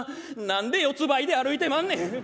何で四つばいで歩いてまんねん。